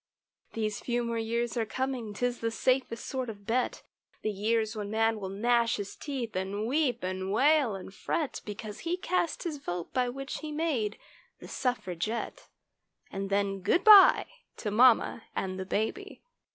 These "few more years" are coming, 'tis the safest sort of bet; The years when man will gnash his teeth, and weep and wail and fret Because he cast his vote by which he made the suffragette— And then good bye to mamma and the baby.